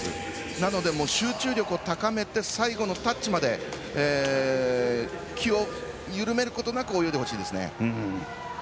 なので、集中力を高めて最後のタッチまで気を緩めることなく泳いでほしいですね。